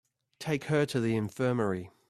Take her to the infirmary.